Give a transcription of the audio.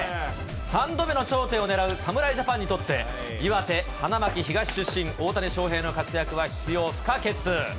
３度目の頂点を狙う侍ジャパンにとって、岩手・花巻東出身、大谷翔平の活躍は必要不可欠。